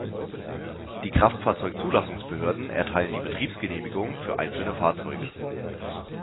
Die Kraftfahrzeug-Zulassungsbehörden erteilen die Betriebsgenehmigung für einzelne Fahrzeuge.